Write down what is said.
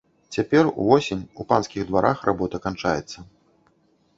Цяпер, увосень, у панскіх дварах работа канчаецца.